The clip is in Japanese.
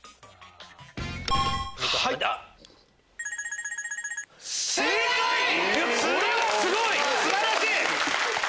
ピンポンこれはすごい！素晴らしい！